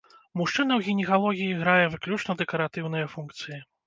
Мужчына ў гінекалогіі грае выключна дэкаратыўныя функцыі.